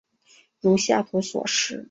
如下图所示。